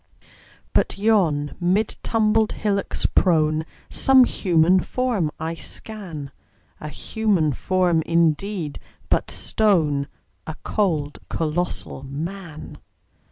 But yon, mid tumbled hillocks prone, Some human form I scan A human form, indeed, but stone: A cold, colossal Man!